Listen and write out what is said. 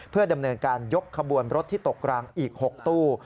เพื่อดำเนินการยกขบวนรถที่ตกรางอีก๖ตู้